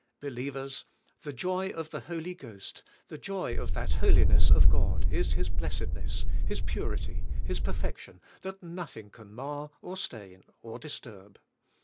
Believers, the jo}' of the Holy Ghost, the joy of that holiness of God, is His blessedness. His purity, His perfection, that nothing can mar or stain or disturb.